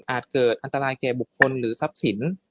เกิดอันตรายแก่บุคคลหรือทรัพย์สิน